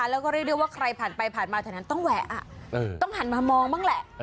ไม่ได้เรียกว่าใครผ่านไปผ่านมาจากนั้นต้องแหวะต้องหันมามองบ้างแหละ